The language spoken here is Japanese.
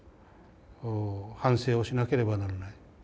反省をしなければならない。